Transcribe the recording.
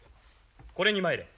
これに参れ！